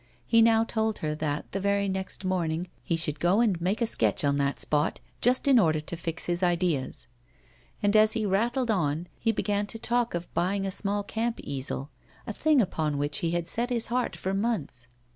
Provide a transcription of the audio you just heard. He now told her that, the very next morning, he should go and make a sketch on the spot, just in order to fix his ideas. And, as he rattled on, he began to talk of buying a small camp easel, a thing upon which he had set his heart for months.